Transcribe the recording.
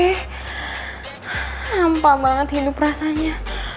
lampa banget hidup rasanya